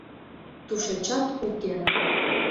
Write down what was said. — Тушечат уке.